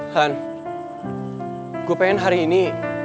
han gue pengen hari ini